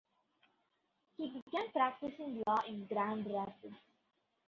He began practicing law in Grand Rapids.